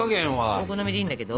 お好みでいいんだけど。